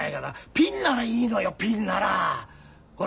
ピンならいいのよピンなら。